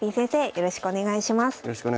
よろしくお願いします。